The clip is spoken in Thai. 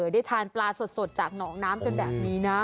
ได้ทานปลาสดจากหนองน้ำกันแบบนี้นะ